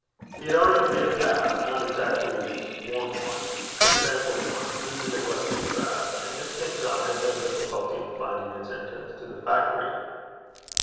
He had already made a path, not exactly worn one, but trampled one, through the neglected grass, and Miss St. John had no difficulty in finding his entrance to the factory.